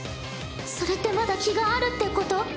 それってまだ気があるってこと？